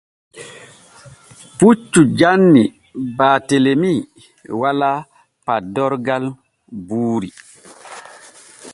Puccu janni Baatelemi walaa paddorgal buuri.